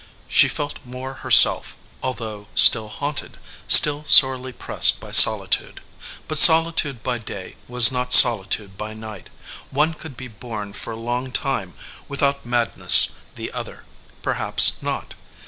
She felt more herself, although still haunted, still sorely pressed by solitude. But solitude by day was not solitude by night. One could be borne for a long time with out madness the other, perhaps not.